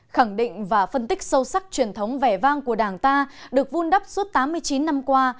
khẳng định và phân tích sâu sắc truyền thống vẻ vang của đảng ta được vun đắp suốt tám mươi chín năm qua